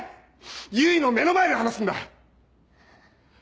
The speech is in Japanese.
唯の目の前で話すんだ。